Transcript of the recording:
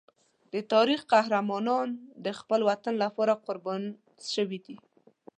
د تاریخ قهرمانان د خپل وطن لپاره قربان شوي دي.